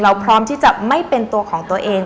พร้อมที่จะไม่เป็นตัวของตัวเอง